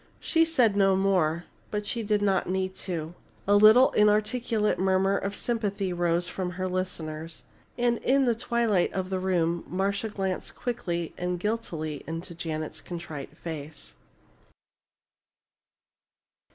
She said no more, but she did not need to. A little inarticulate murmur of sympathy rose from her listeners. And in the twilight of the room Marcia glanced quickly and guiltily into Janet's contrite face.